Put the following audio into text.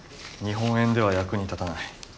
日本円では役に立たない。